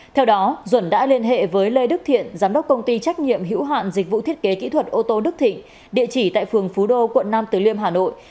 theo đó duẩn đã liên hệ với lê đức thiện giám đốc công ty trách nhiệm hữu hạn dịch vụ thiết kế kỹ thuật ô tô đức thịnh địa chỉ tại phường phú đô quận nam từ liêm hà nội